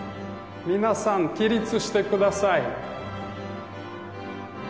皆さん起立してください。